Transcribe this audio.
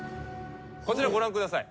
こちらご覧ください。